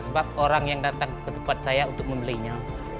sebab orang yang datang ke tempat saya untuk membelinya